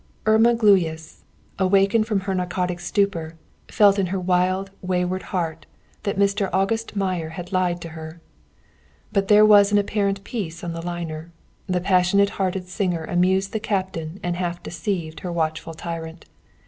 Irma Gluyas, awakened from her narcotic stupor, felt in her wild, wayward heart that Mr. August Meyer had lied to her. But there was an apparent peace on the liner. The passionate hearted singer amused the captain and half deceived her watchful tyrant.